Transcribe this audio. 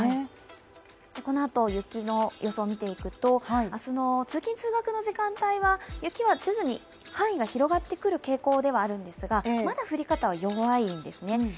このあと雪の予想を見ていくと、明日の通勤・通学の時間帯は雪は徐々に範囲が広がってくる傾向ではあるんですがまだ降り方は弱いんですね。